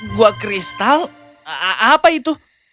gua kristal apa itu